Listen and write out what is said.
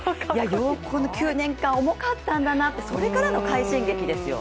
よくこの９年間重かったんだなと、そこからの快進撃ですよ。